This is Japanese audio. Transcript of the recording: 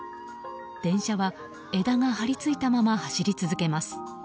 電車は枝が張り付いたまま走り続けます。